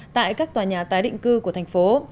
tại các tòa nhà tái định cư của thành phố